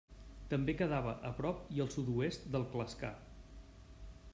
També quedava a prop i al sud-oest del Clascar.